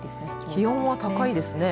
気温も高いですね。